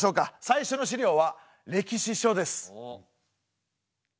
最初の資料は歴史書です。